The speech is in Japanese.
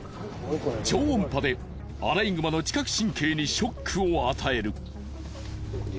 超音波でアライグマの知覚神経にショックを与える。